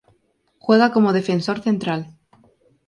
Juega como defensor central.